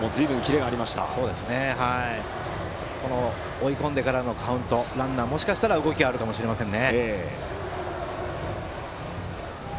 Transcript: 追い込んでからのカウントランナーにもしかしたら動きはあるかもしれません。